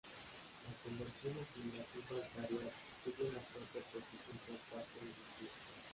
La conversión en fundación bancaria tuvo una fuerte oposición por parte de Bildu.